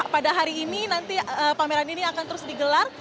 pada hari ini nanti pameran ini akan terus digelar